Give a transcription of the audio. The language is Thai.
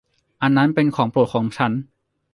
อันนั้นเป็นของโปรดของฉัน !